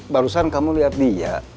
barusan kamu lihat dia